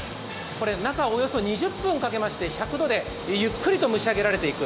中でおよそ２０分かけまして、１００度でゆっくりと蒸し上げられていく。